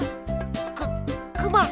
くくま！